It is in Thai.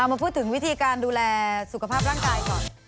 มาพูดถึงวิธีการดูแลสุขภาพร่างกายก่อน